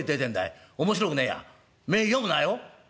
面白くねえや目ぇ読むなよ」。